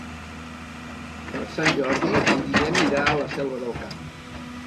Per Sant Jordi en Guillem irà a la Selva del Camp.